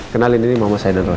kenalin ini mama saya dan roy